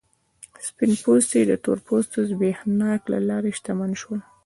سپین پوستي د تور پوستو زبېښاک له لارې شتمن شول.